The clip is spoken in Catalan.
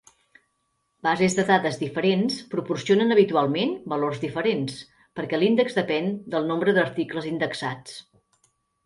Bases de dades diferents proporcionen habitualment valors diferents perquè l'índex depèn del nombre d'articles indexats.